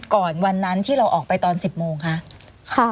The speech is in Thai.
ก่อนวันนั้นที่เราออกไปตอน๑๐โมงคะ